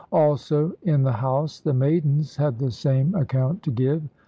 Also in the house, the maidens had the same account to give.